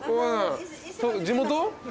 地元？